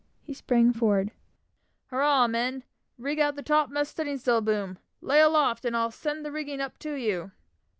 He sprang forward "Hurrah, men! rig out the topmast studding sail boom! Lay aloft, and I'll send the rigging up to you!"